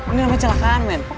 ini namanya celakaan men